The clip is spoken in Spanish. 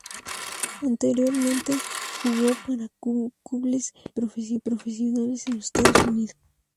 Anteriormente jugó para clubes semi-profesionales en los Estados Unidos.